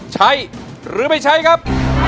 ใช้หรือไม่ใช้ครับ